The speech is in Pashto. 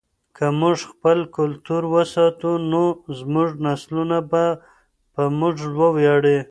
که موږ خپل کلتور وساتو نو زموږ نسلونه به په موږ ویاړي.